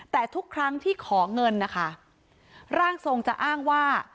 แต่ทุกครั้งที่ขอเงินนะคะร่างทรงจะอ้างว่า